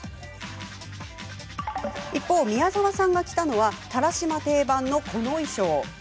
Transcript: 一方、宮沢さんが着たのは田良島定番のこの衣装。